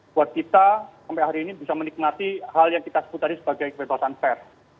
buat kita sampai hari ini bisa menikmati hal yang kita sebut tadi sebagai kebebasan pers